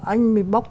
anh mới bóc